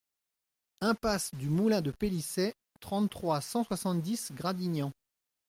Impasse du Moulin de Pelissey, trente-trois, cent soixante-dix Gradignan